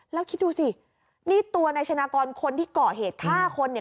แล้วคิดดูสินี่ตัวนายชนะกรคนที่ก่อเหตุฆ่าคนเนี่ย